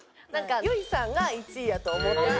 由依さんが１位やと思ってて。